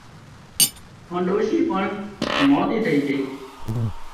هانَ ڏوشي پڻ مانۮِي ٿئي جھئي